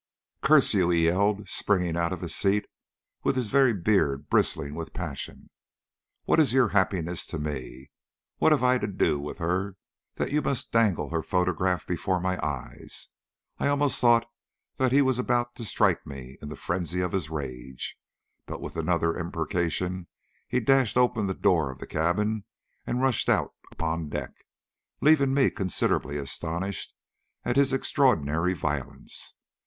"Curse you!" he yelled, springing out of his seat, with his very beard bristling with passion. "What is your happiness to me? What have I to do with her that you must dangle her photograph before my eyes?" I almost thought that he was about to strike me in the frenzy of his rage, but with another imprecation he dashed open the door of the cabin and rushed out upon deck, leaving me considerably astonished at his extraordinary violence.